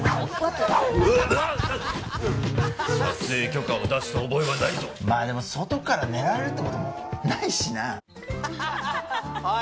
わっ撮影許可を出した覚えはないぞまあでも外から狙われるってこともないしなああ